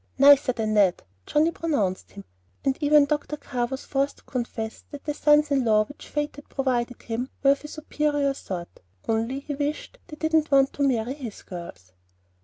"Nicer than Ned," Johnnie pronounced him; and even Dr. Carr was forced to confess that the sons in law with which Fate had provided him were of a superior sort; only he wished that they didn't want to marry his girls!